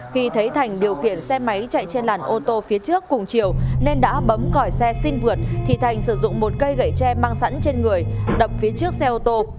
khi thấy thành điều khiển xe máy chạy trên làn ô tô phía trước cùng chiều nên đã bấm còi xe xin vượt thì thành sử dụng một cây gậy tre mang sẵn trên người đập phía trước xe ô tô